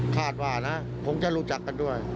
คาดว่านะคงจะรู้จักกันด้วย